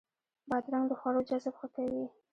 بادرنګ د خوړو جذب ښه کوي.